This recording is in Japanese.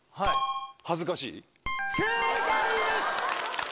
正解です！